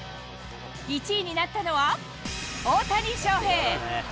１位になったのは、大谷翔平。